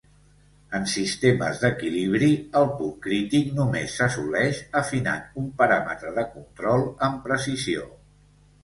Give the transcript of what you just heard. En sistemes d'equilibri, el punt crític només s'assoleix afinant un paràmetre de control amb precisió.